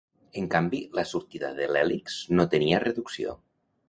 En canvi la sortida de l'hèlix no tenia reducció.